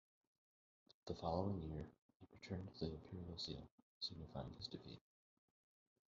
The following year, he returned the imperial seal, signifying his defeat.